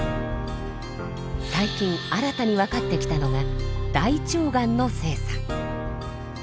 最近新たに分かってきたのが大腸がんの性差。